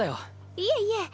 いえいえ。